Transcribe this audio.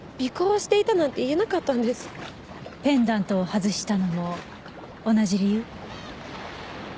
ペンダントを外したのも同じ理由？